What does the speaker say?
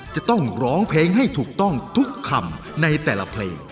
จะต้องร้องเพลงให้ถูกต้องทุกคำในแต่ละเพลง